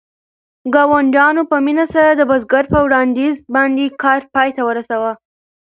ګاونډیانو په مینه سره د بزګر په وړاندیز باندې کار پای ته ورساوه.